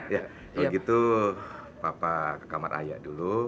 ya kalau gitu papa ke kamar ayah dulu